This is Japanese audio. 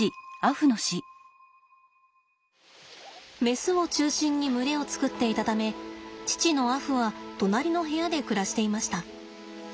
メスを中心に群れを作っていたため父のアフは隣の部屋で暮らしていました。